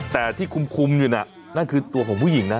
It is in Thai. แต่ที่คุมอยู่น่ะนั่นคือตัวของผู้หญิงนะ